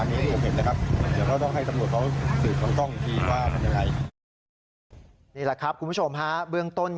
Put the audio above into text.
นี่แหละครับคุณผู้ชมฮะเบื้องต้น